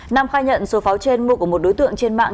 nam khai nhận số pháo trên mua của một đối tượng trên mạng